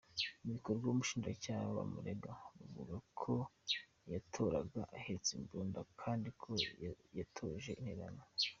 Mu bikorwa ubushinjacyaha bumurega buvuga ko yahoraga ahetse imbunda kandi ko yatoje interahamwe.